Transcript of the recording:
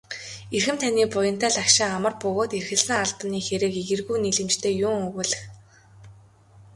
Эрхэм таны буянтай лагшин амар бөгөөд эрхэлсэн албаны хэрэг эергүү нийлэмжтэй юун өгүүлэх.